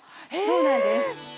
そうなんです。